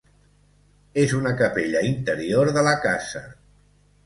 És una capella interior de la casa.